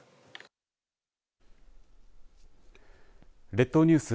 列島ニュース